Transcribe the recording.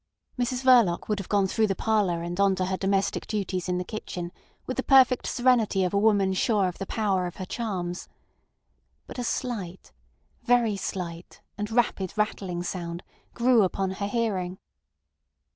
Mrs Verloc would have gone through the parlour and on to her domestic duties in the kitchen with the perfect serenity of a woman sure of the power of her charms. But a slight, very slight, and rapid rattling sound grew upon her hearing.